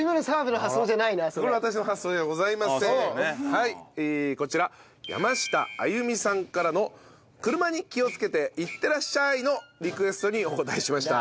はいこちら山下あゆ美さんからの「車に気をつけて行ってらっしゃい」のリクエストにお応えしました。